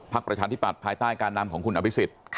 พักประชาธิบัติภายใต้การนำของคุณอภิกษิษฐ์